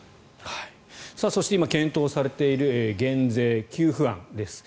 そして、今検討されている減税、給付案です。